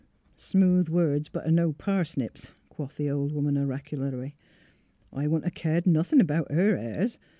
" Smooth words butter no parsnips," quoth the old woman, oracularly. " I wouldn't *a' eared nothin' 'bout her airs.